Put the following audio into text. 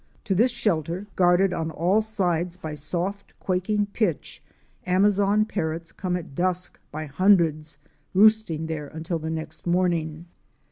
To this shelter, guarded on all sides by soft, quaking pitch, Amazon Parrots come at dusk by hundreds, roosting there until the next morning.